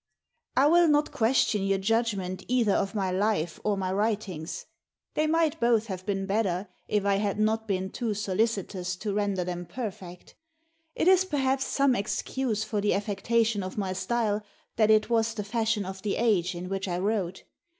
Pliny the Younger. I will not question your judgment either of my life or my writings; they might both have been better if I had not been too solicitous to render them perfect. It is, perhaps, some excuse for the affectation of my style that it was the fashion of the age in which I wrote.